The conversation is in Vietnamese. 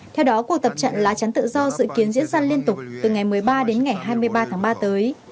theo đó cuộc tập trận lá chắn tự do dự kiến diễn ra liên tục từ ngày một mươi ba đến ngày hai mươi ba tháng ba tới